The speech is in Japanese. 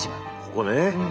ここね。